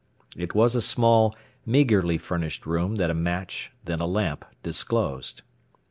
It was a small, meagerly furnished room that a match, then a lamp, disclosed.